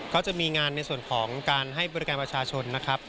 ก็จะมีงานในส่วนของการให้บริการประชาชนนะครับ